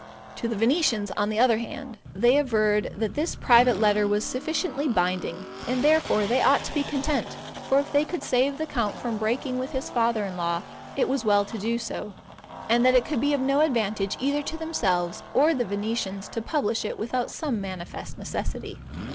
To the Venetians, on the other hand, they averred that this private letter was sufficiently binding, and therefore they ought to be content; for if they could save the count from breaking with his father in law, it was well to do so, and that it could be of no advantage either to themselves or the Venetians to publish it without some manifest necessity.